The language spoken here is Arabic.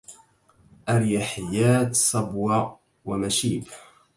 أريحيات صبوة ومشيب